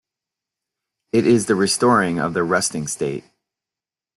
It is the restoring of the resting state.